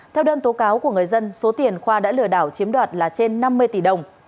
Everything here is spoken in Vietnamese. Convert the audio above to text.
theo đơn tố cáo của người dân số tiền khoa đã lừa đảo chiếm đoạt là trên năm mươi tỷ đồng